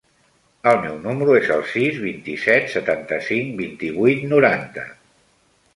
El meu número es el sis, vint-i-set, setanta-cinc, vint-i-vuit, noranta.